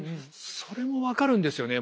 それも分かるんですよね